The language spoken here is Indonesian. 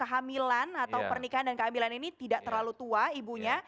kehamilan atau pernikahan dan kehamilan ini tidak terlalu tua ibunya